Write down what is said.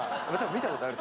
見たことある！